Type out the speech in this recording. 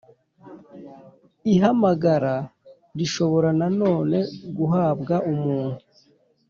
Ihamagara rishobora nanone guhabwa umuntu